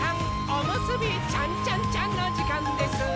おむすびちゃんちゃんちゃんのじかんです！